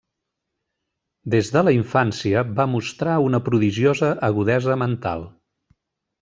Des de la infància va mostrar una prodigiosa agudesa mental.